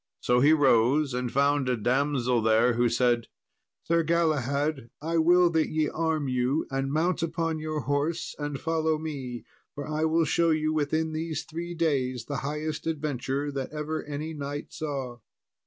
So he rose, and found a damsel there, who said, "Sir Galahad, I will that ye arm you, and mount upon your horse and follow me, for I will show you within these three days the highest adventure that ever any knight saw."